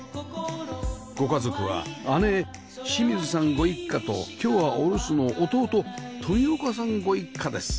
ご家族は姉清水さんご一家と今日はお留守の弟富岡さんご一家です